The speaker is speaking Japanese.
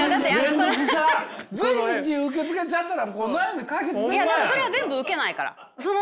それは全部受けないから。